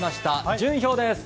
順位表です。